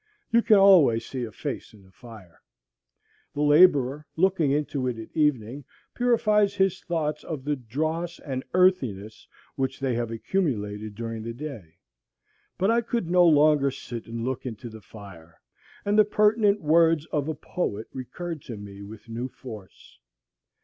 You can always see a face in the fire. The laborer, looking into it at evening, purifies his thoughts of the dross and earthiness which they have accumulated during the day. But I could no longer sit and look into the fire, and the pertinent words of a poet recurred to me with new force.